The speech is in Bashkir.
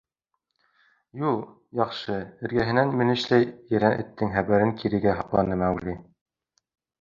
— Юҡ, яҡшы, — эргәһенә менешләй ерән эттең хәбәрен кирегә һапланы Маугли.